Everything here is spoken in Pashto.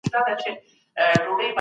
کېدای سي مځکه وچه وي.